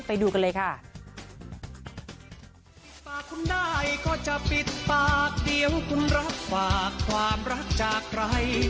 ไปดูกันเลยค่ะ